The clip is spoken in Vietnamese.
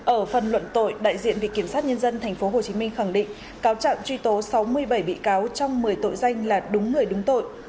ở phần luận tội đại diện vị kiểm sát nhân dân tp hcm khẳng định cáo trạng truy tố sáu mươi bảy bị cáo trong một mươi tội danh là đúng người đúng tội